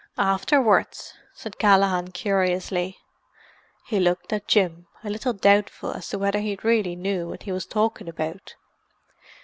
"Afterwards?" said Callaghan, curiously. He looked at Jim, a little doubtful as to whether he really knew what he was talking about.